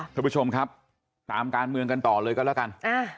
ท่านผู้ชมครับตามการเมืองกันต่อเลยก็แล้วกัน